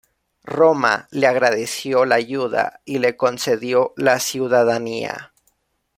Roma le agradeció la ayuda y le concedió la ciudadanía.